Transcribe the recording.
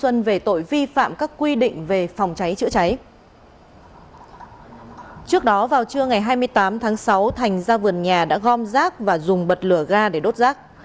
trước đó vào trưa ngày hai mươi tám tháng sáu thành ra vườn nhà đã gom rác và dùng bật lửa ga để đốt rác